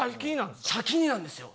先になんですか？